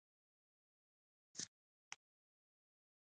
یا آسمان زمونږ په ویر کی، ښکته پریوته په ځمکه